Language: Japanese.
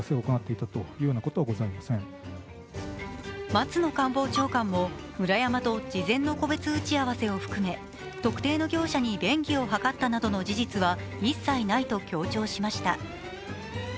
松野官房長官もムラヤマと事前の個別打ち合わせを含め特定の業者に便宜を図ったなどの事実は一切ないと強調しました。